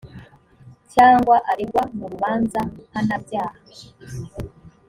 cyangwa aregwa mu rubanza mpanabyaha